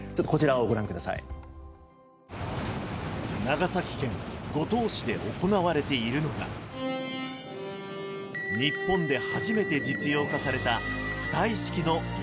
長崎県五島市で行われているのが日本で初めて実用化された浮体式の洋上風力発電。